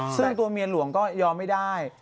ซึ่งตัวเมียหลวงก็ยอมไม่ได้